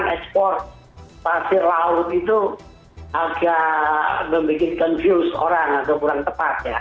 karena ekspor pasir laut itu agak membuat confused orang atau kurang tepat ya